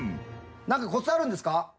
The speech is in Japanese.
何かコツあるんですか？